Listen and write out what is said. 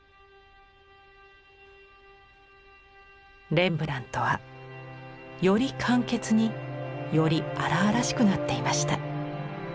レンブラントはより簡潔により荒々しくなっていました。